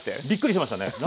びっくりしましたね。